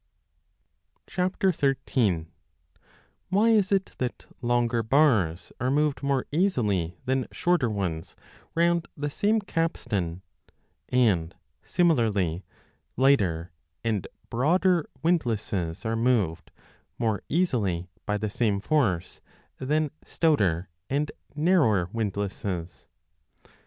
10 13 WHY is it that longer bars are moved more easily than shorter ones round the same capstan, and similarly 1 lighter 2 windlasses are moved more easily by the same force than stouter 3 windlasses